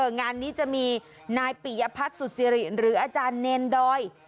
งานนี้จะมีนายปิยพัฒน์สุสิริหรืออาจารย์เนรดอย